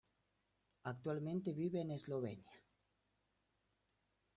Actualmente vive en Eslovenia.